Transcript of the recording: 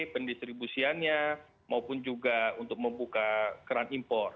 pendistribusiannya maupun juga untuk membuka keran impor